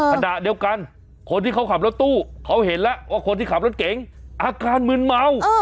ขณะเดียวกันคนที่เขาขับรถตู้เขาเห็นแล้วว่าคนที่ขับรถเก๋งอาการมืนเมา